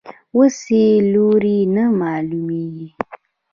اوس یې لوری نه رامعلومېږي.